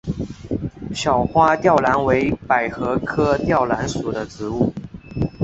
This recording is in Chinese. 小花吊兰为百合科吊兰属的植物。